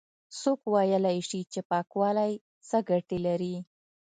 څوک ويلاى شي چې پاکوالی څه گټې لري؟